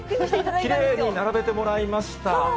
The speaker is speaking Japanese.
きれいに並べてもらいました。